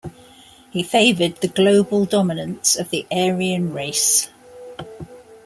He favored the global dominance of the Aryan race.